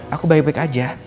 aku baik baik aja